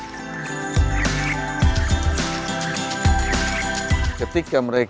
ketika mereka memiliki pewarna yang lebih sedikit mereka bisa memiliki pewarna yang lebih sedikit